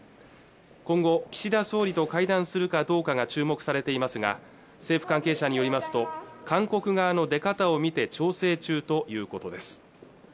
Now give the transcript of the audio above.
今後岸田総理と会談するかどうかが注目されていますが政府関係者によりますと韓国側の出方を見て調整中ということです